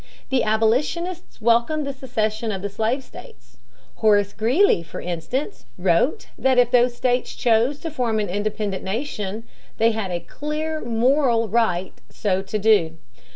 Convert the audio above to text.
The Abolitionists welcomed the secession of the slave states. Horace Greeley, for instance, wrote that if those states chose to form an independent nation, "they had a clear moral right so to do."